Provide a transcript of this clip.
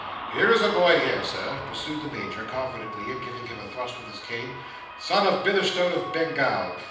"Here is a boy here, Sir," pursued the Major, confidentially, and giving him a thrust with his cane. "Son of Bitherstone of Bengal.